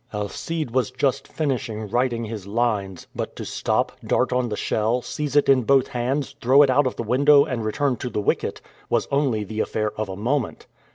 Alcide was just finishing writing his lines; but to stop, dart on the shell, seize it in both hands, throw it out of the window, and return to the wicket, was only the affair of a moment.